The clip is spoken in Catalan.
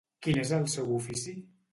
Quin és el seu ofici?